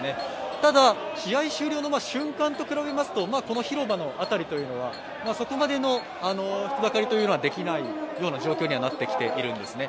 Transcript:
ただ、試合終了の瞬間と比べますとこの広場の辺りというのはそこまでの人だかりはできていないという状況になっているんですね。